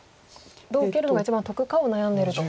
どう受けるのが一番得かを悩んでると。